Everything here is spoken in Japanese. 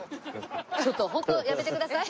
ちょっとホントやめてください。